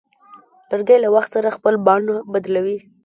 لرګی له وخت سره خپل بڼه بدلوي.